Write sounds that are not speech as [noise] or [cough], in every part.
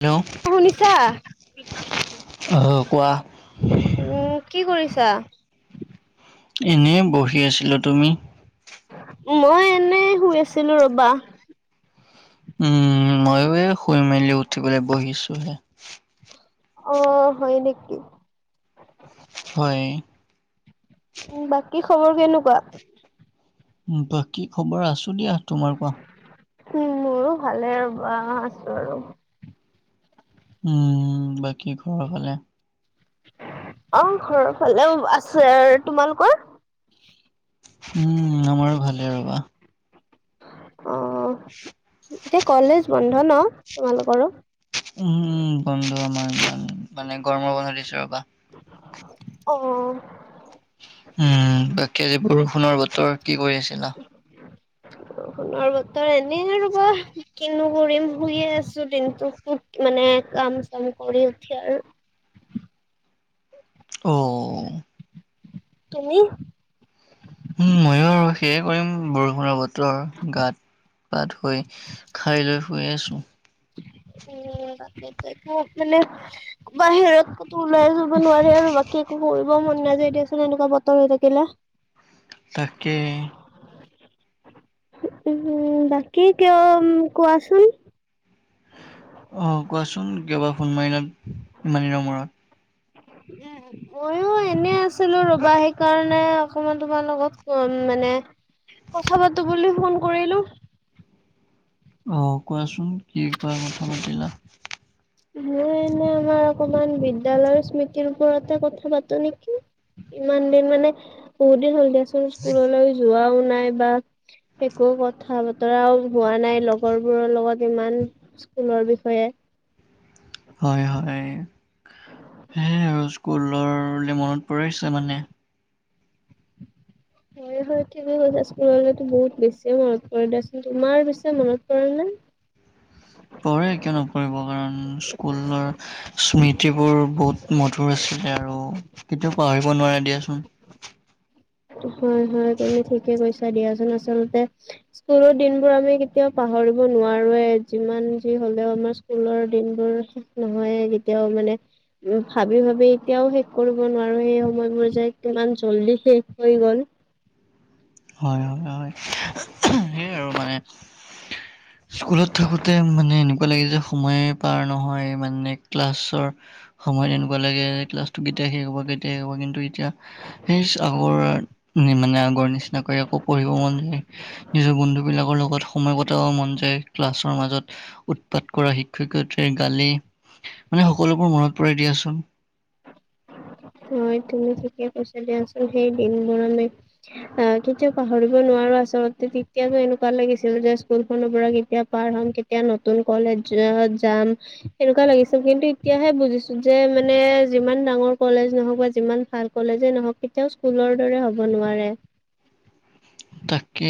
Hello অ শুনিছা? অ' কোৱা উম কি কৰিছা? এনেই বহি আছিলো। তুমি? মই এনেই শুই আছিলো ৰবা। উম মইয়ো এই শুই মেলি উঠি পেলাই বহিছো হে। অ হয় নেকি? হয়। উম বাকী খবৰ কেনেকুৱা? বাকী কি খবৰ আছো দিয়া। তোমাৰ কোৱা? উম মোৰো ভালে আৰু বা আছো আৰু। উম বাকী ঘৰৰ ফালে? অ ঘৰৰ ফালেও আছে আৰু। তোমালোকৰ? উম আমাৰো ভালে ৰ'বা। অ এতিয়া কলেজ বন্ধ ন তোমালোকৰো? উম উম বন্ধ আমাৰ, মানে গৰমৰ বন্ধ দিছে ৰবা। অ। উম বাকী আজি বৰষুণৰ বতৰ কি কৰি আছিলা? [inaudible] বৰষুণৰ বতৰ এনেই ৰবা, কিনো কৰিম শুইয়ে আছো দিনটো। মানে কাম চাম কৰি উঠি আৰু। অহ। তুমি? উম মইয়ো আৰু সেয়ে কৰিম বৰষুণৰ বতৰ। ভাত পাত হৈ খাই লৈ শুই আছো। উম তাকেটো মানে বাহিৰত কতো ওলাই যাব নোৱাৰে আৰু বাকী একো কৰিব মন নাযায় দিয়াচোন এনেকুৱা বতৰ হৈ থাকিলে। তাকেই। উম বাকী এতিয়া উম কোৱাচোন অ কোৱাচোন কিয় বা ফোন মাৰিলা ইমান দিনৰ মূৰত? মইও এনে আছিলো ৰবা সেইকাৰণে অকমান তোমাৰ লগত উম মানে কথা পাতো বুলি ফোন কৰিলো। অহ কোৱাচোন কি কোৱা কথা পাতিলা মই এনে আমাৰ অকমান বিদ্যয়ালয়ৰ স্মৃতিৰ ওপৰতে কথা পাতো নেকি। ইমান দিন মানে বহুত দিন হ'ল দিয়াচোন স্কুললৈ যোৱাও নাই বা একো কথা বতৰাও হোৱা নাই লগৰবোৰৰ লগত ইমান- স্কুলৰ বিষয়ে। হয় হয়, সেয়াই আৰু স্কুলৰলৈ মনত পৰিছে মানে। হয় হয়, ঠিকেই কৈছা, স্কুললৈ বহুত বেছিয়ে মনত পৰে দিয়াচোন। তোমাৰ পিছে মনত পৰে নে? পৰে, কিয় নপৰিব কাৰণ স্কুলৰ স্মৃতিবোৰ বহুত মধুৰ আছিলে আৰু কেতিয়াও পাহৰিব নোৱাৰে দিয়াচোন। হয় হয়, তুমি ঠিকে কৈছা দিয়াচোন। আচলতে স্কুলৰ দিনবোৰ আমি কেতিয়াও পাহৰিব নোৱাৰোোৱে যিমান যি হ'লেও আমাৰ স্কুলৰ দিনবোৰ শেষ নহয় কেতিয়াও মানে। উমঁ' ভাবি ভাবি এতিয়াও শেষ কৰিব নোৱাৰো সেই সময়বোৰ যে কিমান জল্দি শেষ হৈ গ'ল। হয় হয় হয়, সেইয়াই আৰু মানে- [unintelligible] স্কুলত থাকোঁতে মানে এনেকুৱা লাগে যে সময় পাৰ নহয় মানে ক্লাছৰ সময়ত তেনেকুৱা লাগে ক্লাছটো কেতিয়া শেষ হ'ব কেতিয়া শেষ হ'ব কিন্তু এতিয়া সেই আগৰ মানে আগৰ নিচিনাকৈ আকৌ পঢ়িব মন যায়। নিজৰ বন্ধু বিলাকৰ লগত সময় কটাব মন যায় ক্লাছৰ মাজত। উৎপাত কৰা, শিক্ষক-শিক্ষয়ত্ৰী গালি মানে সকলোবোৰ মনত পৰে দিয়াচোন। হয়, তুমি ঠিকে কৈছা দিয়াচোন। সেই দিনবোৰ আমি আহ' কেতিয়াও পাহৰিব নোৱাৰো। আচলতে তেতিয়াতো এনেকুৱা লাগিছিল যে স্কুল খনৰপৰা কেতিয়া পাৰ হ'ম, কে তিয়া নতুন কলেজ য' যাম। সনেকুৱা লাগিছিল। কিন্তু এতিয়াহে বুজিছোঁ যে মানে যিমান ডাঙৰ কলেজ নহওক বা যিমান ভাল কলেজে নহওক, কেতিয়াও স্কুলৰ দৰে হ'ব নোৱাৰে। তাকে,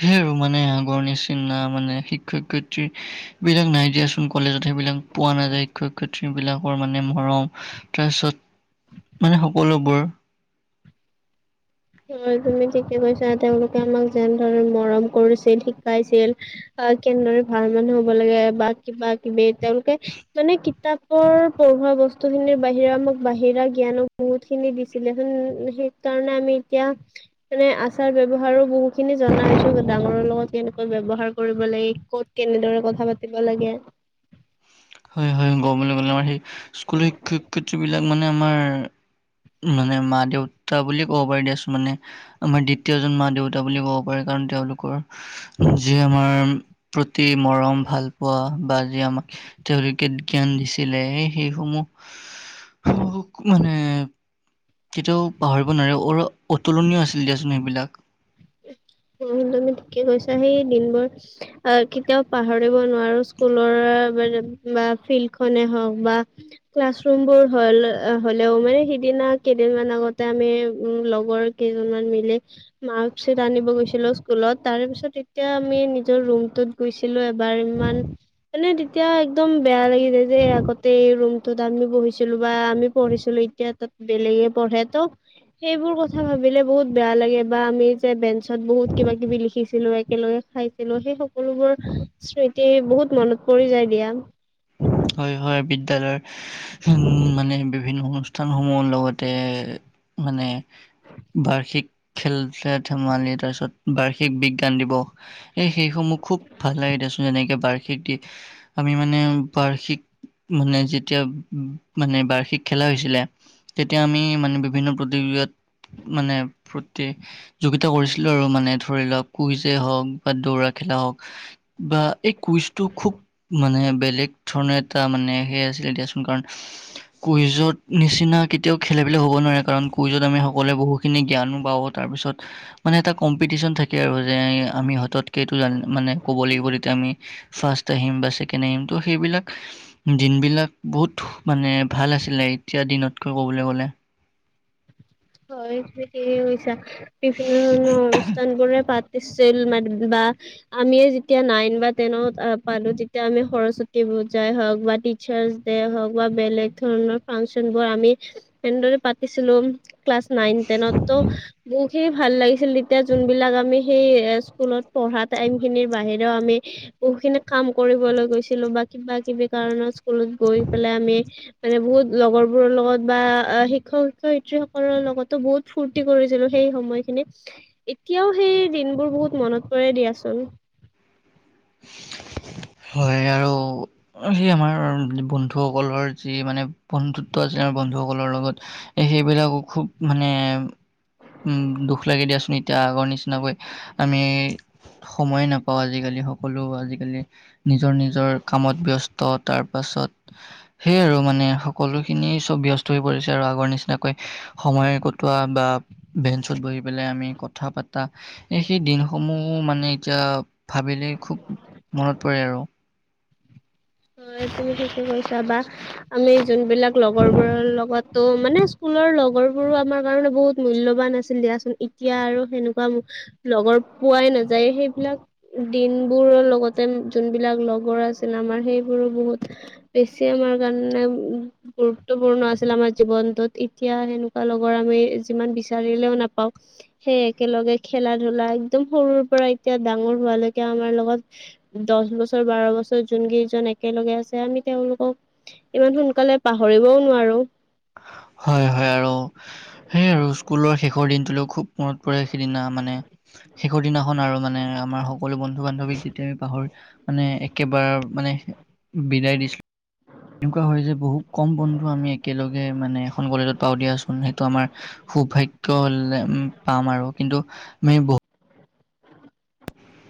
সেই আৰু মানে আগৰ নিচিনা মানে শিক্ষক-শিক্ষয়ত্ৰীৰ বিলাক নাই দিয়াচোন। কলেজত সেইবিলাক পোৱা নাযায় শিক্ষক-শিক্ষয়িত্ৰী বিলাকৰ মানে মৰম। তাৰপিছত, মানে সকলোবোৰ। হয়, তুমি ঠিকে কৈছা। তেওঁলোকে আমাক যেনেধৰণে মৰম কৰিছিল, শিকাইছিল। বা কেনেদৰে ভাল মানুহ হ'ব লাগে বা কিবাকিবি। তেওঁলোকে মানে কিতাপ- পৰ পঢ়োৱা বস্তুখিনিৰ বাহিৰা মোক বাহিৰা জ্ঞানো বহুত খিনি দিছিলে। সেই ম' সেই কাৰণে আমি এতিয়া মানে আচাৰ-ব্যৱহাৰো বহু খিনি জনা হৈছোঁ ডাঙৰৰ লগত কেনেকুৱা ব্যৱহাৰ কৰিব লাগে, ক'ত কেনেদৰে কথা পাতিব লাগে। হয় হয়। ক'বলৈ গ'লে মানে সেই স্কুলৰ শিক্ষক-শিক্ষয়িত্ৰী বিলাক মানে আমাৰ মানে মা-দেউতা বুলি ক'ব পাৰি দিয়াচোন মানে আমাৰ দ্বিতীয়জন মা-দেউতা বুলি ক'ব পাৰে। কাৰণ তেওঁলোকৰ যি আমাৰ প্ৰতি মৰম ভাল পোৱা বা যি আমাক তেওঁলোকে জ্ঞান দিছিলে সেই সেইসমূহ মানে কেতিয়াও পাহৰিব নোৱাৰে, অ-অতুলনীয় আছিল দিয়াচোন সেইবিলাক। উমঁ' তুমি ঠিকে কৈছা। সেই দিনবোৰ আহ' কেতিয়াও পাহৰিব নোৱাৰো স্কুলৰ বা ফিল্ড খনে হওক বা ক্লাছৰুম বোৰ হ'ল আ' হ'লেও মানে সিদিনা কেইদিনমান আগতে আমি উমঁ' লগৰ কেইজনমান মিলি মাৰ্কশ্বিট আনিব গৈ ছিলোঁ স্কুলত। তাৰে পিছত এতিয়া আমি নিজৰ ৰুমটোত গৈছিলোঁ এবাৰ, ইমান মানে তেতিয়া একদম বেয়া লাগি যায় যে আগতে এই ৰুমটোত আমি বহিছিলোঁ বা আমি পঢ়িছিলোঁ। এ এতিয়া তাত বেলেগে পঢ়ে ত' সেইবোৰ কথা ভাবিলে বহুত বেয়া লাগে বা আমি যে বেঞ্চ ত বহু কিবা কিবি লি খিছিলো, একেলগে খাইছিলো সেই সকলোবোৰ স্মৃতি বহুত মনত পৰি যায় দিয়া। হয় হয় বিদ্যালয়ৰ হম মানে বিভিন্ন অনুষ্ঠান সমূহৰ লগতে মানে বাৰ্ষিক খেল তে ধেমালি তাৰপিছত বাৰ্ষিক বিজ্ঞান দিৱস। এই সেইসমূহ খুব ভাল লাগে দেচোন এনেকে বাৰ্ষিক দে আমি মানে বাৰ্ষিক মানে যেতিয়া মানে বাৰ্ষিক খেলা হৈছিলে তেতিয়া আমি মানে বিভিন্ন প্ৰতিযোগিতাত মানে প্ৰতি যোগিতা কৰিছিলো আৰু মানে ধৰি লওক কুইজে হওক বা দৌৰা খেলা হওক। বা এই কুইজ টো খুব মানে বেলেগ ধৰণে এটা মানে সে আছিল দিয়াচোন, কাৰণ কুইজত নিচিনা কেতিয়াও খেলে-বেলে হ'ব নোৱাৰে কাৰণ কুইজত আমি সকলোৱে বহুখিনি জ্ঞানো পাও তাৰপিছত, মানে এটা কম্পিটিচন থাকে আৰু যে আমি হাতত কেতো জান, মানে ক'ব লাগিব তেতিয়া আমি ফাৰ্ষ্ট আহিম বা ছেকেণ্ড আহিম ত' সেইবিলাক দিনবিলাক বহুত মানে ভাল আছিলে, এতিয়া দিনতকৈ ক'বলৈ গ'লে। হয়, ঠিকেই কৈছা বিভিন্ন ধৰণৰ অনুষ্ঠানবোৰে পা তিছিল মানে বা আমিয়ে যেতিয়া নাইন বা টেনত আ পালো তেতিয়া আমি সৰস্বতী পূজাই হওক বা টি চাৰ্ছ ডে'ই হওক বা বেলেগ ধৰণৰ ফাংচন বোৰ আমি তেনেদৰে পাতিছিলো। ক্লাছ নাইন-টেনততো উ তেই ভাল লাগিছিল তেতিয়া যোনবিলাক আমি সেই এ স্কুলত পঢ়া টাইমখিনিৰ বাহিৰেও আমি বহুখিনি কাম কৰিবলৈ গৈছিলো বাত কিবা কিবি কাৰণত স্কুলত গৈ পেলাই আমি মানে বহুত লগৰ বোৰৰ লগত বা আ শিক্ষক-শিক্ষয়িত্ৰী স কলৰ লগতো বহুত ফূৰ্তি কৰিছিলো সেই সময়খিনিত। এতিয়াও সেই দিনবোৰ বহুত মনত পৰে দিয়াচোন। [unintelligible] হয় আৰু অ' সেই আমাৰ বন্ধুসকলৰ যি মানে বন্ধুত্ব আছিল আমাৰ বন্ধুসকলৰ লগত এ সেইবিলাকো খুব মানে উম দুখ লাগে দিয়াচোন এতিয়া আগৰ নিচিনাকৈ আমি সময়ে নাপাও আজিকালি স কলো আজিকালি নিজৰ নিজৰ কামত ব্যস্ত তাৰপাছত সেইয়ে আৰু মানে সকলোখিনিয়ে চব ব্যস্ত হৈ পৰিছে আৰু আগৰ নিচিনাকৈ সময় কটোৱা বা বেঞ্চত বহি পেলাই আমি কথা পাতা এ সেইদিনসমূহ মানে এতিয়া ভাবিলেই খুব মনত পৰে আও হয় তুমি ঠিকে কৈছা বা আমি যোনবিলাক লগৰবোৰৰ লগত ত মানে স্কুলৰ লগৰবোৰো আমাৰ কাৰণে বহুত মূল্যৱান আছিল দিয়াচোন এতিয়া আৰু সেনেকোৱাবো লগৰ পোৱাই নাযায় সেইবিলাক দিনবোৰৰ লগতে যোনবিলাক লগৰ আছিল আমাৰ সেইবোৰো বহুত বেছি আমাৰ কাৰণে উ গুৰুত্বপূৰ্ণ আছিল আমাৰ জীৱনটোত এতিয়া সেনেকোৱা লগৰ আমি যিমান বিচাৰিলেও নাপাও সেই একেলগে খেলা ধূলা একদম সৰুৰ পৰা এতিয়া ডাঙৰ হোৱালৈকে আমাৰ লগত দহ বছৰ বাৰ বছৰ যোন কেইজন এ একেলগে আছে আমি তেওঁলোকক ইমান সোনকালে পাহৰিবও নোৱাৰো হয় হয় আৰু সেয়ে আৰু স্কুলৰ শেষৰ দিনটোলৈ খুব মনত পৰে সিদিনা মানে শেষৰ দিনাখন আৰু মানে আমাৰ সকলো বন্ধু বান্ধৱী সিতেৰ পাহৰ মানে একেবাৰ মানে বিদায় দিছিলো এনেকুৱা হয় যে বহুত কম বন্ধু আমি একেলগে মানে এখন কলেজত পাওঁ দিয়াচোন সেইটো আমাৰ সৌভাগ্য লেম পাম আৰু কিন্তু আমি ব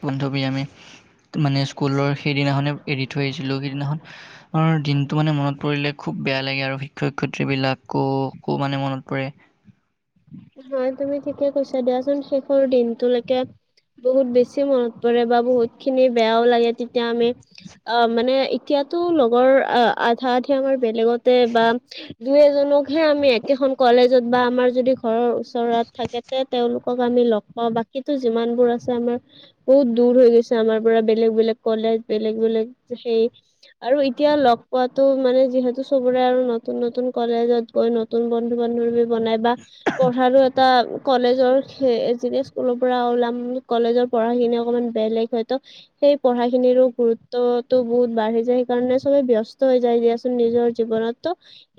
বনধৱী আমি ত মানে স্কুলৰ সেইদিনাখনে এৰি থৈ আহিছিলো সেইদিনাখন অৰ দিনটো মানে মনত পৰিলে খুব বেয়া লাগে আৰু শিক্ষয় ক্ষয়িত্ৰী বিলাককো মানে মনত পৰে হয় তুমি ঠিকে কৈছা দিয়াচোন শেষৰ দিনটোলৈকে বহুত বেছি মনত পৰে বা বহুত খিনি বেয়াও লাগে তেতিয়া আমি আ মানে এতিয়াতো লগৰ আ আধা আধি আমাৰ বেলেগতে বা দুই এজনকহে আমি একেখন কলেজত বা আমাৰ যদি ঘৰৰ ওচৰত থাকেতে তেওঁলোকক আমি লগ পাওঁ বাকীতো যিমানবোৰ আছে আমাৰ বহুত দূৰ হৈ গৈছে আমাৰ পৰা বেলেগ বেলেগ কলেজ বেলেগ বেলেগ সেই আৰু এতিয়া লগ পোৱাতো মানে যিহেতু সবৰে আৰু নতুন নতুন কলেজত গৈ নতুন বন্ধু বান্ধৱী বনাই বা পঢ়াৰো এ টা কলেজৰ সেই এ স্কুলৰ পৰা ওলাম কলেজৰ পঢ়াখিনি অকমান বেলেগ হয়তো সেই পঢ়া খিনিৰো গুৰুত্বতটো বহুত বাঢ়ি যায় সেইকাৰণে চবে ব্যস্ত হৈ যায় দিয়া চুন নিজৰ জীৱনতো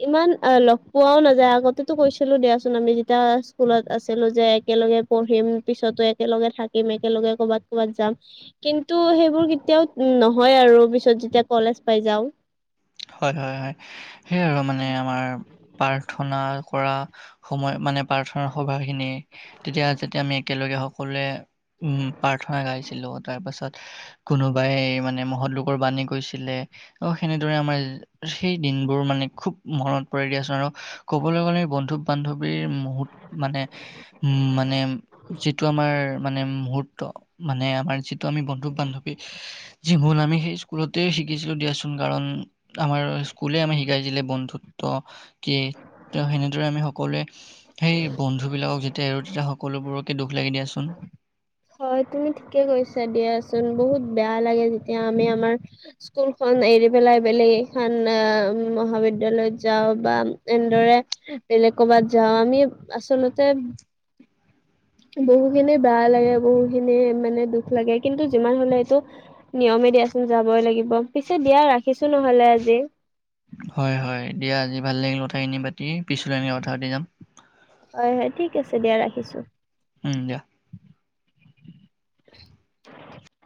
ইমান আ লগ পোৱাও নাযায় আগতে কৈছিলো দিয়াচোন আমি যি তিয়া স্কুলত আছিলো যে একেলগে পঢ়িম পিছতো একেলগে থাকিম একেলগে কবাত কবাত যাম কিন্তু সেইবোৰ কেতিয়াও ত নহয় আৰু পিছত যেতিয়া কলেজ পাই যাওঁ হয় হয় হয় সেয়ে আৰু মানে আমাৰ প্ৰাৰ্থনা কৰা সময় মানে প্ৰাৰ্থনা সভাখিনি তেতিয়া যেতিয়া আমি একেলগে সকলোৱে উম প্ৰাৰ্থনা গাইছিলো তাৰ পাছত কোনোবাই মানে মহৎ লোকৰ বাণী কৈছিলে অ সেনে দৰে আমাৰ সেই দিনবোৰ মানে খুব মনত পৰে দিয়া ছোন আৰু ক'বলৈ গ'লে বন্ধু বান্ধৱীৰ মূহুত মানে উ মানে যিটো আমাৰ মানে মুহূৰ্ত মানে আমাৰ যিটো আমি বন্ধু বান্ধৱী যি মূল আমি সেই স্কুলতেই শিকিছিলো দিয়াচোন কাৰণ আমাৰ স্কুলীয়ে আমি শিকাইছিলে বন্ধুত্ব কি ত সেনেদৰে আমি সকলোৱে সেই বন্ধুবিলাকক যেতিয়া এৰো তেতিয়া সকলোবোৰকে দুখ লাগে দিয়াচোন হয় তুমি ঠিকে কৈছা দিয়াচোন বহুত বেয়া লাগে যেতিয়া আমি আমাৰ স্কুলখন এৰি পেলাই বেলেগ এখন আহ মহাবিদ্যালয়ত যাওঁ বা এনেদৰে বেলেগ ক'বাত যাওঁ আমি আচলতে বহু খিনি বেয়া লাগে বহু খিনি মানে দুখ লাগে কিন্তু যিমান হলে এইটো নিয়মে দিয়াচোন যাবই লাগিব পিছে দিয়া ৰাখিছো নহলে আজি? হয় হয় দিয়া আজি ভাল লাগিল কথাখিনি পাতি পিছলৈ আমি কথা পাতি যাম। হয় হয় ঠিক আছে দিয়া ৰাখিছো। উম দিয়া। অ। [inaudible]